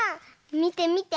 みてみて。